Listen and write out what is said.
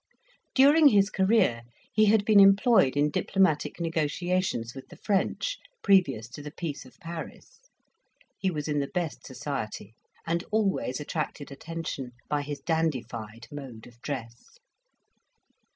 During his career he had been employed in diplomatic negotiations with the French, previous to the peace of Paris. He was in the best society, and always attracted attention by his dandified mode of dress.